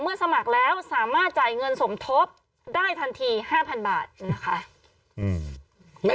สมัครแล้วสามารถจ่ายเงินสมทบได้ทันที๕๐๐๐บาทนะคะ